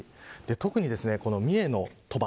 特に三重の鳥羽